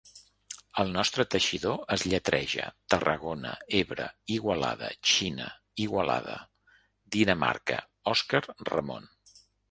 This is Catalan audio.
El nostre 'Teixidor' es lletreja Tarragona-Ebre-Igualada-Xina-Igualada-Dinamarca-Òscar-Ramon.